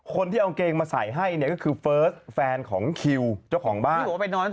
คนที่เอาเกงมาใส่ให้เนี่ยก็คือเฟิร์สแฟนของคิวเจ้าของบ้าน